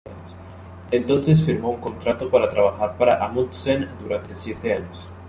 Entonces, firmó un contrato para trabajar para Amundsen durante siete años.